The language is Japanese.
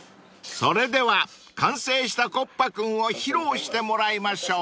［それでは完成したＫＯＰＰＡｋｕｎを披露してもらいましょう］